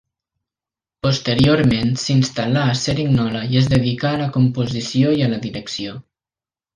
Posteriorment s'instal·là a Cerignola i es dedicà a la composició i a la direcció.